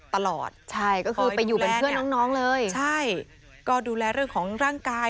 ตลอดใช่ก็คือไปอยู่เป็นเพื่อนน้องเลยใช่ก็ดูแลเรื่องของร่างกาย